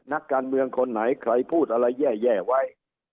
นักการเมืองคนไหนใครพูดอะไรแย่ไว้